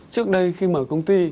trước đây khi mở công ty